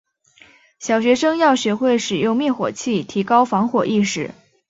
小学生要学会使用灭火器，提高防火意识。